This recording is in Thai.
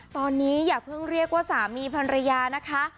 ตอนนี้อย่าเพิ่งเรียกว่าสามีพันรยานะคะ